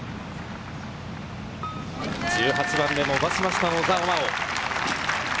１８番で伸ばしました、野澤真央。